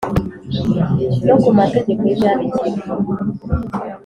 no ku mategeko y’imyandikire.